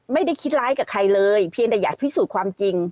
ไม่ได้คิดร้ายกับใครเลยเพียงแต่อยากพิสูจน์ความจริง